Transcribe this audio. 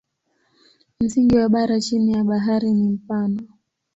Msingi wa bara chini ya bahari ni mpana.